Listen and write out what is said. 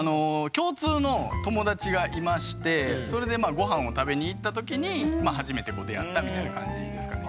共通の友達がいましてそれでごはんを食べに行った時に初めて出会ったみたいな感じですかね。